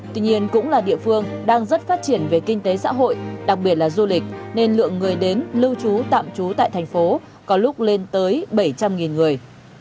tuy nhiên cũng là địa phương đang rất phát triển về kinh tế xã hội đặc biệt là du lịch nên lượng người đến lưu trú tạm trú tại thành phố có lúc lên tới bảy trăm linh người